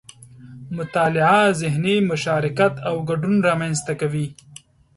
مطالعه ذهني مشارکت او ګډون رامنځته کوي